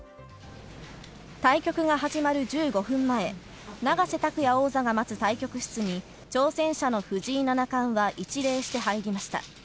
対局が始まる１５分前、永瀬拓矢王座が待つ対局室に、挑戦者の藤井七冠は一礼して入りました。